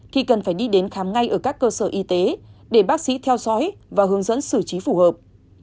thì cần phải đi đến khám ngay ở các cơ sở y tế để bác sĩ theo dõi và hướng dẫn xử trí phù hợp